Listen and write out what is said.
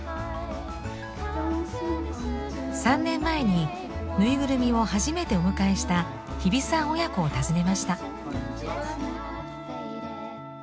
３年前にぬいぐるみを初めてお迎えした日比さん親子を訪ねました。